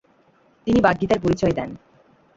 তিনি বাগ্মিতার পরিচয় দেন।